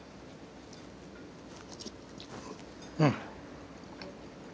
うん！